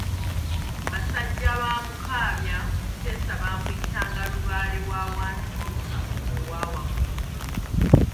Basajja ba Mukaabya Mutesa baamuyitanga Lubaale wa wansi afuga owa waggulu.